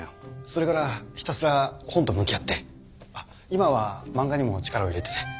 それからひたすら本と向き合ってあっ今は漫画にも力を入れてて。